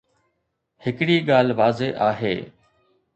هڪڙي ڳالهه واضح آهي.